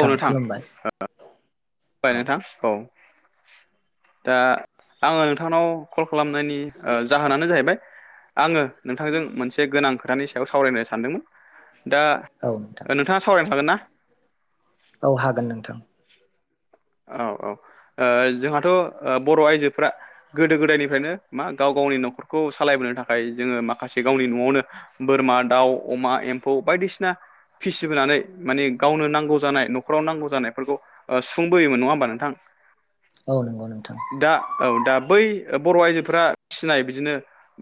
औ नोंथां औ बाय नोंथां औ दा आङो नोंथांनाव कल खालामनायनि जाहोनानो जाहैबाय आङो नोंथांजों मोनसे गोनां खोथानि सायाव सावरायनो सानदोंमोन दा औ नोंथां नोंथाङा सावरायनो हागोन ना औ हागोन नोंथां औ औ ओ जोंहाथ' ओ बर' आइजोफ्रा गोदो गोदायनिफ्रायनो मा गाव गावनि न'खरखौ सालायबोनो थाखाय जोङो माखासे गावनि न'आवनो बोरमा दाउ अमा एम्फौ बायदिसिना फिसिबोनानै माने गावनो नांगौ जानाय न'खराव नांगौ जानायफोरखौ फुं बोयोन नङा होमबा नोंथां औ नंगौ नोंथां दा औ दा बै बर' आइजोफोरा फिनाय बिदिनो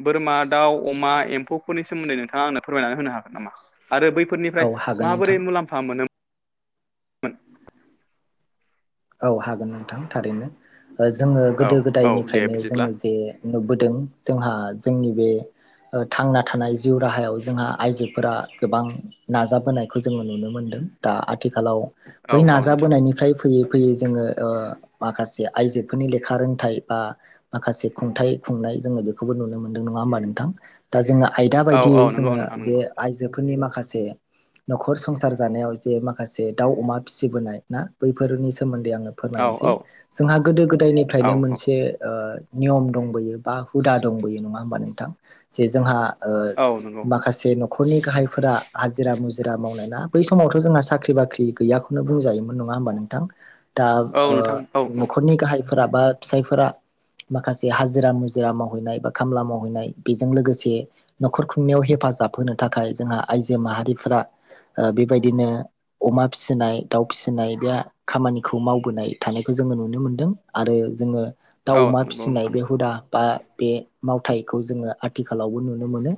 बोरमा दाउ अमा एम्फौफोरनि सोमोन्दै नोंथाङा आंनो फोरमायनानै होनो हागोन नामा आरो बै फोरनिफ्राय औ हागोन माबोरै नोंथां मुलाम्फा मोनो मोन औ हागोन नोंथां थारैनो ओ जोङो औ औ दे गोदो-गोदायनिफ्रायनो बिदिब्ला जोङो जे नुबोदों जोंहा जोंनि बे ओ थांना थानाय जिउ राहायाव जोंहा आइजोफोरा गोबां नाजाबोनायखौ जोङो नुनो मोनदों दा आथिखालाव औ बै औ नोंथां नाजाबोनायनिफ्राय फैयै फैयै जोङो ओ माखासे आइजोफोरनि लेखा रोंथारै बा माखासे खुंथाइ खुंनाय जोङो बेखौबो नुनो मोनदों नङा होमबा नोंथां? दा जोङो आयदा औ बायदियै नंगौ जोङो नोंथां जे नंगौ आइजोफोरनि माखासे न'खर संसार जानायाव जे माखासे दाउ, अमा फिसिबोनाय ना बैफोरनि सोमोन्दै आङो औ फोरमायनोसै औ जोंहा औ गोदो-गोदायनिफ्रायनो मोनसे ओ नियम दंबोयो बा हुदा दंबोयो नङा होमबा नोंथां जे जोंहा ओ औ नंगौ माखासे न' खरनि गाहायफोरा हाजिरा मुजिरा मावनाय ना बै समावथ' जोंहा साख्रि बाख्रि गैया खौनो बुंजायोम नङा होमबा नोंथां? दा औ ओ नोंथां औ औ न'खरनि गाहायफोरा बा फिसायफोरा माखासे हाजिरा मुजिरा मावहैनाय बा खामला मावहैनाय बेजों लोगोसे न'खर खुंनायाव हेफाजाब होनो थाखाय जोंहा आइजो माहारिफोरा ओ बेबायदिनो अमा फिसिनाय दाउ फिसिनाय बे खामानिखौ मावबोनाय थानायखौ जोङो नुनो मोनदों आरो जोङो दाउ, औ अमा नंगौ फिसिनाय नोंथां बे हुदा बा बे मावथायखौ जोङो आथिखालावबो नुनो मोनो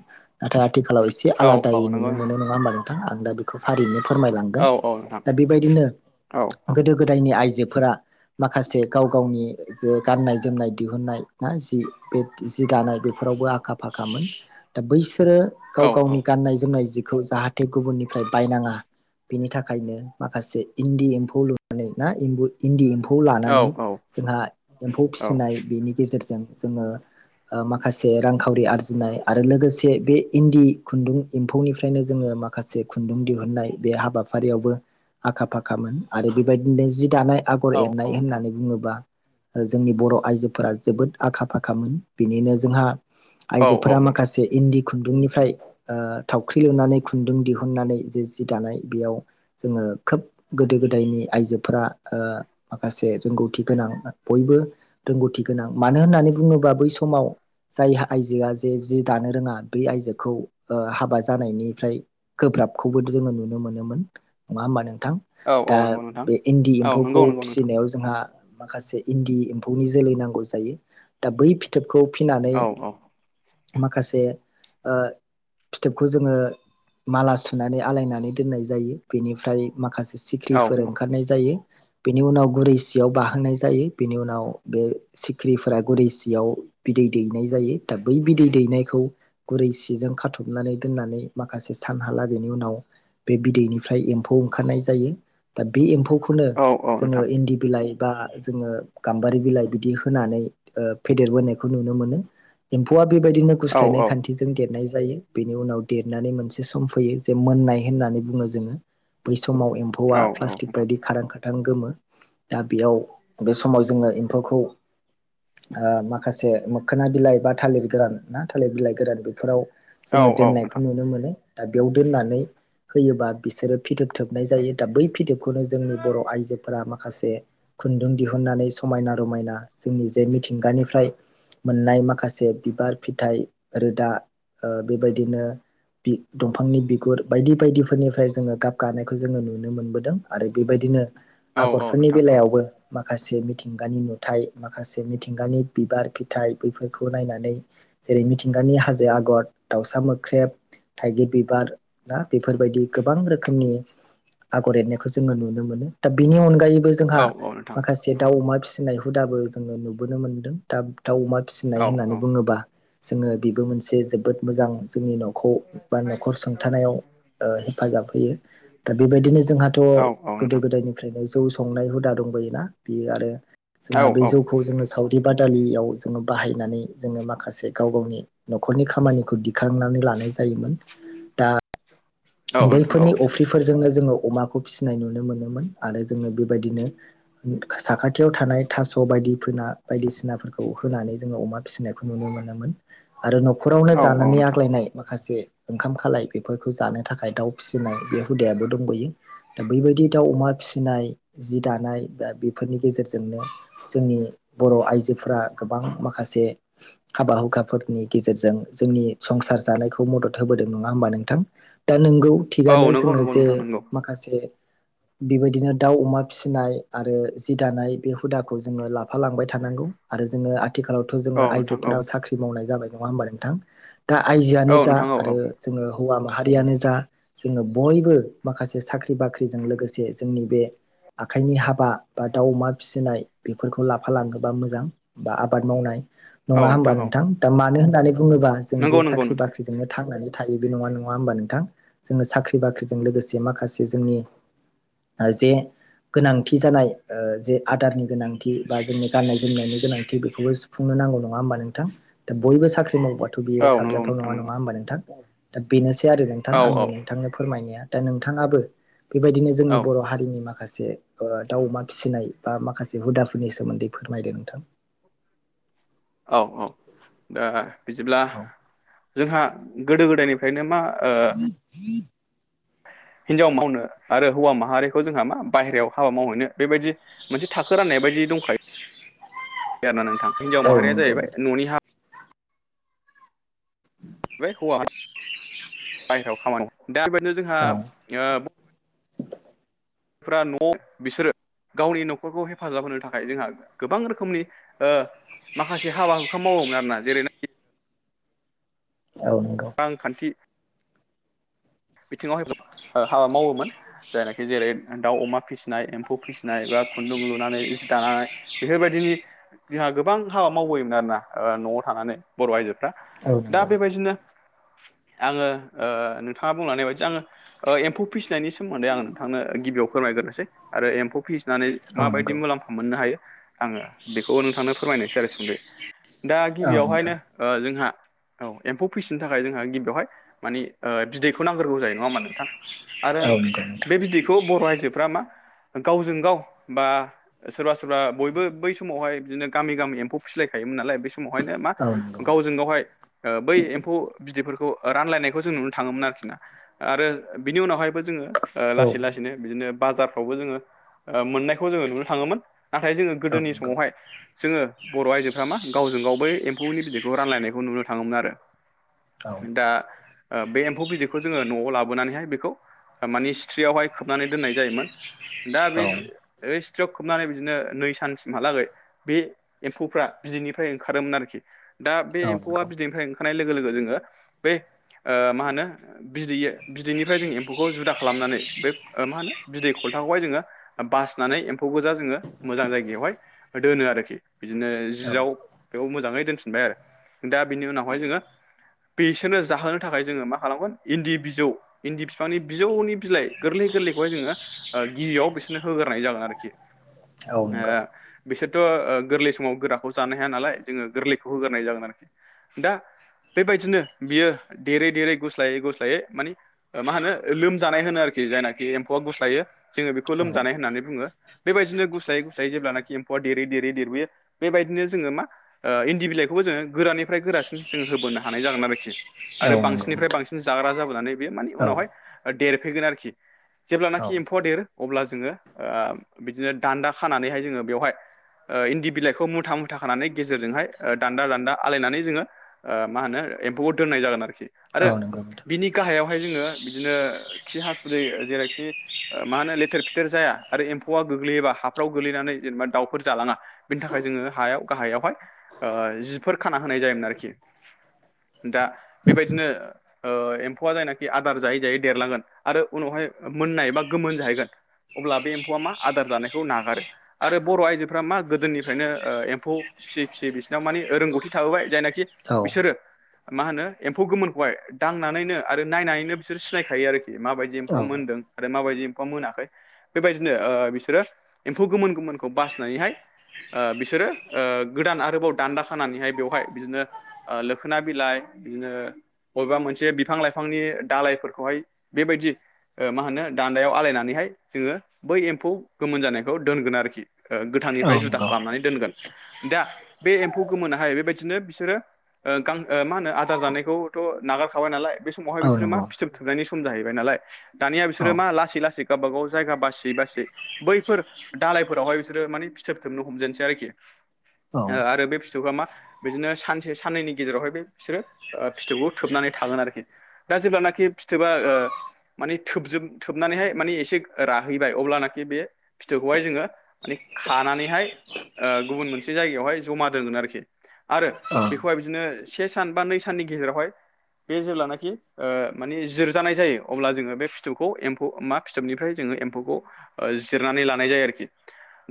नाथाय आथिखालाव एसे औ औ आलादायै नंगौ नुनो नोंथां मोनो नङा होमबा नोंथां आं दा खौ फारियैनो फोरमायलांगोन औ औ नोंथां दा बेबायदिनो औ गोदो-गोदायनि आइजोफोरा माखासे गाव गावनि जे गाननाय-जोमनाय दिहुननाय ना जि बे जि दानाय बेफोरावबो आखा-फाखामोन दा बैसोरो औ गाव गावनि गाननाय-जोमनाय जिखौ जाहा थे गुबुननिफ्राय बायनाङा बेनि थाखायनो माखासे इन्दि एम्फौ फौ लुनानै ना [unintelligible] इन्दि एम्फौ लानानै औ जोंहा एम्फौ औ फिसिनाय बेनि गेजेरजों जोङो ओ माखासे रांखावरि आरजिनाय आरो लोगोसे बे इन्दि खुन्दुं इम्फौनिफ्रायनो जोङो माखासे खुन्दुं दिहुनन्नाय बे हाबाफारियावबो आखा-फाखामोन आरो बेबायदिनो जि दानाय औ आगर औ एरनाय नोंथां होननानै बुङोबा ओ जोंनि बर' आइजोफोरा जोबोद आखा फाखामोन बिनिनो जोंहा औ औ आइजोफोरा नोंथां माखासे इन्दि खुन्दुंनिफ्राय ओ थावख्रि लुनानै खुन्दुं दिहुननानै जे जि दानाय बेयाव जोङो खोब गोदै गो दायनि आइजोफोरा ओ माखासे रोंगौथि गोनां बयबो रोंगौथि गोनां मानो होननानै बुङोबा बै समाव जाय आइजोआ जे जि दानो रोङा बे आइजोखौ ओ हाबा जानायनिफ्राय गोब्राबखौबो जोङो नुनो मोनोमोन नङा होमबा नोंथां? औ औ दा नंगौ नोंथां बे इन्दि औ नंगौ एम्फौखौ नंगौ नोंथां फिसिनायाव जों जोंहा माखासे इन्दि एम्फौनि जोलै नांगौ जायो दा बै फिथोबखौ फिनानै औ माखासे ओ फिथोबखौ जोङो माला सुनानै आलायनानै दोननाय जायो बेनिफ्राय माखासे औ सिख्रिफोर औ ओंखारनाय जायो बेनि उनाव गुरै सियाव बाहोनाय जायो बेनि उनाव बे सिख्रिफोरा गुरै सियाव बिदै दैनाय जायो दा बै बिदै दैनायखौ गुरै सिजों खाथ'बनानै दोननानै माखासे सानहालागैनि उनाव बे बिदैनिफ्राय एम्फौ ओंखारनाय जायो दा बे एम्फौखौनो औ जोङो नोंथां इन्दि बिलाइ बा जोङो गाम्बारि बिलाइ बिदि होनानै फेदेरबोनायखौ नुनो मोनो। एम्फौआ बे बादिनो औ औ गुस्लायनाय खान्थि जों देरनाय जायो बेनि उनाव देरनानै मोनसे सम फैयो जे मोननाय होननानै बुङो जोङो। बै समाव औ एम्फौआ औ प्लास्टिक नोंथां बायदि खारां खारथां गोमो। दा बेयाव बे समाव जोङो एम्फौखौ माखासे मोखोना बिलाइ बा थालिर गोरान ना थालिर बिलाइ गोरान बेफोराव औ जोङो औ दोननायखौ नोंथां नुनो मोनो दा बेयाव दोननानै होयोबा बिसोरो फिथोब थोबनाय जायो दा बै फिदोबखौनो जोंनि बर' आइजोफोरा माखासे। खुन्दुं दिहुननानै समायना रमायना जोंनि जे मिथिंगानिफ्राय मोननाय माखासे बिबार, फिथाइ रोदा बे बादिनो बि दंफांनि बि गु गुर बायदि बायदिफोरनिफ्राय जोङो गाब गानायखौ जोङो नुनो मोनबोदों आरो बेबादिनो औ औ आगरफोरनि नोंथां औ बेलायावबो माखासे मिथिंगानि नुथाइ माखासे मिथिंगानि बिबार, फिथाइ बैफोरखौ नायनानै। जेरै मिथिंगानि हाजो आगर दाउसा मोख्रेब थाइगिर बिबार ना बेफोर बायदि गोबां रोखो मनि आगर एरनायखौ जोङो नुनो मोनो दा बिनि अनगायैबो औ जोंहा औ नोंथां माखासे जे दाउ अमा फिसिनाय हुदाबो जोङो नुबोनो मोनदों दा दाउ अमा औ फिसिनाय होननानै बुङोबा। जोङो बेबो मोनसे जोबोद मोजां जोंनि न' न बा न'खर औ सोंथानायाव हेफाजाब होयो। दा बेबायदिनो जोंहाथ' औ नोंथां औ औ औ गोदो नोंथां गोदायनिफ्रायनो जौ संनाय हुदा दंबोयोना बियो आरो। औ जोंहा बे जौखौ जोङो सावरि बादालियाव जोङो बाहायनानै जोङो माखासे गाव गावनि न'खरनि खामानिखौ दिखांनानै लानाय जायोमोन। औ नोंथां बैफोरनि अफ्रिफोरजोंनो जोङो अमाखौ फिसिनाय नुनो मोनोमोन आरो जोङो बे बायदिनो साखाथियाव थानाय थास' बायदि फोना बायदिसिनाफोरखौ होनानै जोङो अमा फिसिनायखौ नुनो मोनोन आरो। न'खरावनो औ जानानै आग्लायनाय माखासे ओंखाम खालाय बेफोरखौ जानो बा थाखाय दाउ फिसिनाय बे हुदायाबो दंबावयो। दा बेबायदि दाउ अमा फिसिनाय जि दानाय बा बेफोरनि गेजेरजोंनो जोंनि बर' आइजोफोरा गोबां माखासे हाबा हुखाफोरनि गेजेरजों जोंनि संसार जानायखौ मदद होबोदों नङा होमबा नोंथां। दा नोंगौ नंगौ नोंथां नंगौ औ नोंथां औ थिगानो नोंथां औ जोङो जे माखासे बेबायदिनो दाउ अमा फिसिनाय आरो जि दानाय बे हुदाखौ जोङो लाफालांबाय थानांगौ। आरो जोङो आथिखालाव थ' जोङो आइजोफोराव साख्रि मावनाय जाबाय नङा होमबा नोंथां दा औ आइजोआनो जा आरो। जोङो हौवा माहारियानो जा जा जोङो बयबो माखासे साख्रि बाख्रिजों लोगोसे जोंनि बे आखाइनि हाबा बा दाउ अमा फिसिनाय बेफोरखौ लाफालाङोबा मोजां। बा आबाद मावनाय औ नङा होमबा औ नोंथां दा मानो होननानै बुङोबा जों नंगौ जे नंगौ साख्रि नोंथां बाख्रि। बेोंनो थांनानै थायो बे नङा नङा होनबा नोंथां जोङो साख्रि बाख्रिजों लोगोसे माखासे जोंनि जे गोनांथि जानाय जे आदारनि गोनांथि बा जोंनि गाननाय जोमनायनि गोनांथि बेखौबो। खुंनो नांगौ नङा होमबा नोंथां? दा बयबो साख्रि मावबाय थ' बियो औ नंगौ साब्लाथ' नोंथां नङा नंगौ नङा होमबा नोंथां दा बेनोसै आरो औ नोंथां आंनि नोंथांनो फोरमायनाया। दा नोंथाङाबो बेबायदिनो औ जोंनि बर' हारिनि माखासे। दाउ अमा फिसिनाय बा माखासे हुदाफोरनि सोमोन्दै फोरमायदो नोंथां। औ औ दा बिदिब्ला औ जोंहा गोदो-गोदायनिफ्रायनो मा ओ हिनजाव मावनो आरो हौवा माहारिखौ जोंहा मा बाहेरायाव हाबा मावहैनो बेबायदि मोनसे थाखो राननाय बायदि दंखायो आरोना नोंथां हिनजाव औ माहारिया नंगौ जाहैबाय न'नि हा [inaudible] बे हौवा बाहेरायाव खामानि दा बेबायदिनो जोंहा औ ओ फ्रा न' बिसोरो गावनि न'खरखौ हेफाजाब होनो थाखाय जोंहा गोबां रोखोमनि ओ माखासे हाबा हुखा मावोमोन खरोना जेरै औ नंगौ रांखान्थि बिथिङाव हाबा मावोमोन जायनाखि जेरै दाउ अमा फिसिनाय एम्फौ फिसिनाय बा खुन्दुं लुनानै जि दानाय बेफोरबायदिनि जोंहा गोबां हाबा मावबोयोमोन आरोना न'आव थानानै बर' आइजोफ्रा औ दा नंगौ बेबायदिनो आङो ओ नोंथाङा बुंलांनाय बायदि आङो ओ एम्फौ फिसिनायनि सोमोन्दै आङो नोंथांनो गिबियाव फोरमायग्रोसै आरो एम्फौ फि नानै औ माबायदि नंगौ मुलाम्फा मोननो हायो आङो बेखौबो नोंथांनो फोरमायनोसै आरो सुंदयै दा औ नोंथां गिबियावहायनो ओ जोंहा औ एम्फौ फिसिनो थाखाय जोंहा गिबियावहाय माने ओ बिदैखौ नांग्रोगौ जायो नङा होमबा नोंथां आरो औ नंगौ नोंथां बे बिदैखौ बर' आइजोफ्रा मा गावजों गाव बा सोरबा सोरबा बयबो बै समावहाय बिदिनो गामि गामि एम्फौ फिसिलायखायोन नालाय बे समावहायनो मा औ नंगौ गावजों गावहाय बै एम्फौ बिदैफोरखौ रानलायनायखौ जों नुनो थाङोमोन आरोखिना आरो बिनि उनावहायबो जोङो ओ औ लासै लासै नो बिदिनो बाजारफ्रावबो जोङो मोननायखौ जोङो नुनो थाङोमोन नाथाय जोङो गोदोनि नंगौ समावहाय जोङो बर' आइजोफोरा मा गावजों गाव बै एम्फौनि बिदैखौ रानलायनायखौ नुनो थाङोमोन आरो औ दा बे एम्फौ बिदैखौ जोङो न'आव लाबोनानैहाय बेखौ मानानि सिथ्रियावहाय खोबनानै दोननाय जायोमोन दा बे औ स्ट्रियाव खोबनानै बिदिनो नै सानसिमहालागै बे एम्फौफ्रा बिदैनिफ्राय ओंखारोमोन आरोखि दा बे औ एम्फौआ नंगौ बिदैनिफ्राय ओंखारनाय लोगो लोगो जोङो बै मा होनो बिदैया बिदैनिफ्राय जों एम्फौखौ जुदा खालामनानै बे मा होनो बिदै खलथाखौहाय जोङो बासिनानै एम्फौ गोजा जोङो मोजां जायगायावहाय दोनो आरोखि बिदिनो औ जियाव बेयाव मोजाङै दोनफिनबाय आरो दा बिनि उनावहाय जोङो बिसोरनो बेसोरनो जाहोनो थाखाय जोङो मा खालामगोन इन्दि बिजौ इन्दि बिफांनि बिजौनि बिलाइ गोरलै गोरलैखौहाय जोङो ओ गिबियाव बिसोरनो होग्रोनाय जागोन आरोखि औ नंगौ ओ बिसोरथ गोरलै समाव गोराखौ जानो हाया नालाय जोङो गोरलैखौ होग्राय जागोन आरोखि दा बेबायदिनो बियो देरै देरै गुस्लायै गुस्लायै माने मा होनो लोमजानाय होनो आरोखि जायनाखि एम्फौआ गुस्लायो जोङो बेखौ औ लोमजानाय होननानै बुङो बेबायदिनो गुस्लायै गुस्लायै जेब्लानाखि एम्फौआ देरै देरै देरबोयो बेबायदिनो जोङो मा ओ इन्दि बिलाइखौबो जोङो गोरानिफ्राय गोरासिन जों होबोनो हानाय जागोन आरोखि औ आरो नंगौ बांसिननिफ्राय नोंथां बांसिन जाग्रा जाबोनानै बेयो मानि औ उनावहाय देरफैगोन आरोखि औ जेब्लानाखि एम्फौवा देर अब्ला जोङो बिदिनो दान्दा खानानैहाय जोङो बेयावहाय ओ इन्दि बिलाइखौ मुथा मुथााखानानै गेजेरजोंहाय दान्दा दान्दा आलायनानै जोङो आ मा होनो एम्फौआव दोननाय जागोन आरोखि आरो औ नंगौ नोंथां बिनि गाहायावहाय जोङो बिदिनो खि हासुदै जेरैखि मा होनो लेथेर फेथेर जाया आरो एम्फौआ गोग्लैयोबा हाफ्राव गोग्लैनानै जेनेबा दाउफोर जालाङा बिनि थाखाय जोङो हायाव गाहायावहाय ओ जिफोर खाना होनाय जायोमोन आरोखि दा बेबायदिनो ओ एम्फौआ जायनाखि आदार जायै जायै देरलांगोन आरो उनावहाय मोननाय बा गोमोन जाहैगोन अब्ला बे एम्फौआ मा आदार जानायखौ नागारो आरो बर' आइजोफ्रा मा गोदोनिफ्रायनो एम्फौ फियै फियै बिसोरनाव माने रोंगौथि थाहोबाय जायनाखि औ बिसोरो मा होनो एम्फौ गोमोनखौहाय दांनानैनो आरो नायनानैनो बिसोर सिनायखायो आरोखि माबायदि औ एम्फौआ मोनदों आरो माबायदि एम्फौआ मोनाखै बेबायदिनो ओ बिसोरो एम्फौ गोमोन गोमोनखौ बासिनानैहाय ओ बिसोरो गोदान आरोबाव दान्दा खानानैहाय बेवहाय बिदिनो लोखोना बिलाइ बिदिनो बबेबा मोनसे बिफां लाइफांनि दालायफोरखौहाय बेबायदि ओ मा होनो दान्दायाव आलायनानैहाय जोङो बै एम्फौ गोमोन जानायखौ दोनगोन आरोखि ओ औ गोथांनिफ्राय जुदा नंगौ खालामनानै दोनगोन दा बे एम्फौ गोमोनाहाय बेबायदिनो बिसोरो मा होन आदार जानायखौथ' नागारखाबाय नालाय बे समावहाय औ बिसोरो मा नंगौ फिथोब थोबनायनि सम जाहैबाय नालाय दानिया औ बिसोरो मा लासै लासै गावबा गाव जायगा बासि बासि बैफोर दालायफोरावहाय बिसोरो माने फिथोब थोबजेननो हमजेनसै आरोखि औ ओ आरो बे फिथौखौ मा बिदिनो सानसे साननैनि गेजेरावहाय बे बिसोरो ओ फिथोबखौ थोबनानै थागोन आरोखि दा जेब्लानाखि फिथोबा माने थोबजोब थोबनानैहाय माने एसे राहैबाय अब्लानाखि बे फिथोबखौहाय जोङो माने खानानैहाय ओ गुबुन मोनसे जायगायावहाय जमा दोनगोन आरोखि आरो बेखौहाय बिदिनो से सान बा नै साननि गेजेरावहाय बे जेब्लानाखि ओ माने जिरजानाय जायो अब्ला जोङो बे फिथोबखौ एम्फौ मा फिथोबनिफ्राय जोङो एम्फौखौ ओ जिरनानै लानाय जायो आरोखि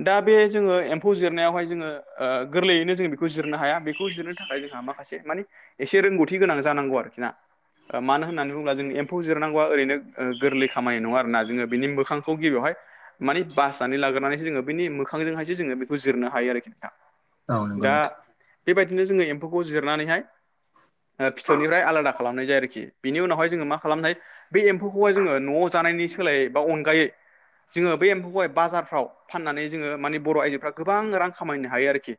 दा बे जोङो एम्फौ जिरनायावहाय जोङो ओ गोरलैयैनो जोंङो बेखौ जिरनो हाया बेखौ जिरनो थाखाय जोंहा माखासे माने एसे रोंगौथि गोनां जानांगौ आरोखि ना मानो होननानै बुोब्ला जों एम्फौ जिरनांगौआ ओरैनो ओ गोरलै खामानि नङा आरो ना जोङो बिनि मोखांखौ गिबियावहाय माने बासिनानै लागोनानैसो जोङो बेनि मोखांजोंहायसो जोङो बेखौ जिरनो हायो आरोखि नोंथां औ नंगौ दा नोंथां बेबायदिनो जोङो एम्फौखौ जिरनानैहाय ओ फिथोबनिफ्राय आलादा खालामनाय जायो आरोखि बिनि उनावहाय जोङो मा खालामनाय बे एम्फौखौहाय जोङो न'आव जानायनि सोलायै बा अनगायै जोङो बे एम्फौखौहाय बाजारफ्राव फाननानै जोङो माने बर' आयजोफ्रा गोबां रां खामायनो हायो आरोखि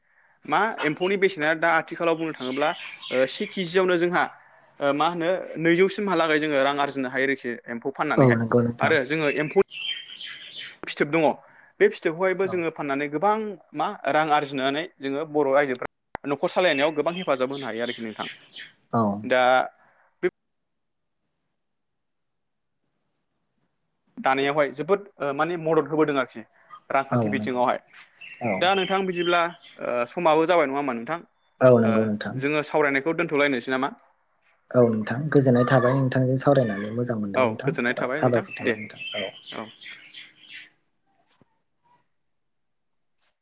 मा एम्फौनि बेसेना दा आथिखालाव बुंनो थाङोब्ला ओ सिस केजियावनो जोंहा ओ मा होनो नैजौसिमहालागै जोङो रां आरजिनो हायो आरोखि एम्फौ औ फाननानैह नंगौ नोंथां आरो जोङो एम्फौ फिथोब दङ बे फिथोबखौहायबो औ जोङो फाननानै गोबां मा रां आरजिनानै जोङो बर' आइजोफ्रा न'खर सालायनायाव गोबां हेफाजाब होनो हायो आरोखि नोंथां औ दा दानायावहाय जोबोद ओ माने मदद होबोदों आरोखि औ रांखान्थि नंगौ बिथिङावहाय औ दा नोंथां बिदिब्ला ओ समाबो जाबाय नङाामा नोंथां औ ओ नंगौ नोंथां जोङो सावरायनायखौ दोनथ'लायनोसै नामा औ नोंथां गोजोननाय थाबाय नोंथांजों सावरायनानै मोजां मोजां मोनदों औ गोजोननाय नोंथां थाबाय नोंथां साबायखर दे थाबाय नोंथां औ